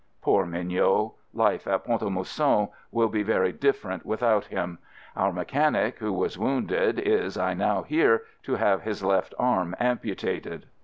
Poor Mignot — life at Pont a Mousson will be very different without him; and our mechanic, who was wounded, is, I now hear, to have his left arm amputated.